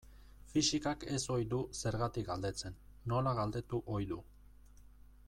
Fisikak ez ohi du zergatik galdetzen, nola galdetu ohi du.